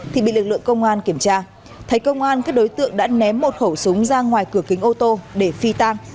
thì bị lực lượng công an kiểm tra thấy công an các đối tượng đã ném một khẩu súng ra ngoài cửa kính ô tô để phi tang